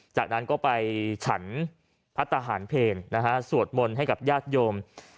จากนั้นก็ไปฉันพระทหารเพลนะฮะสวดมนต์ให้กับญาติโยม